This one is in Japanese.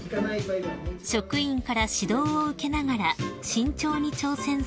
［職員から指導を受けながら慎重に挑戦されました］